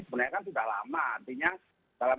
sebenarnya kan sudah lama artinya dalam